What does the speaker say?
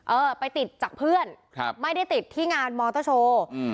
เออไปติดจากเพื่อนครับไม่ได้ติดที่งานมอเตอร์โชว์อืม